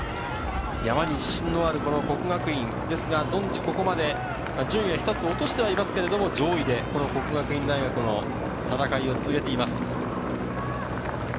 山に自信のある國學院ですが殿地はここまで順位を１つ落としていますが、上位で國學院の戦いを続けています。